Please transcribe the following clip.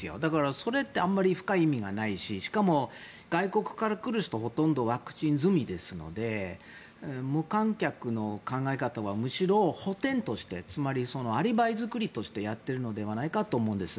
それってあまり深い意味がないししかも、外国から来る人ほとんどワクチン済みですので無観客の考え方はむしろ補てんとしてつまり、アリバイ作りとしてやっているのではないかと思うんです。